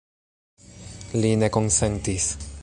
Li ne konsentis.